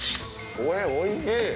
これ、おいしい。